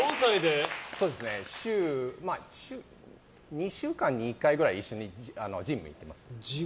２週間に１回ぐらいジムに行ってます。